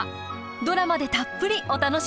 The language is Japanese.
ドラマでたっぷりお楽しみください！